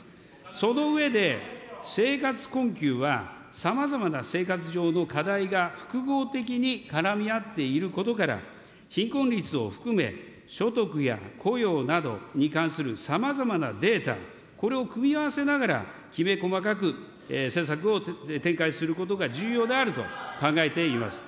その上で、生活困窮はさまざまな生活上の課題が複合的に絡み合っていることから、貧困率を含め、所得や雇用などに関するさまざまなデータ、これを組み合わせながら、きめ細かく政策を展開することが重要であると考えています。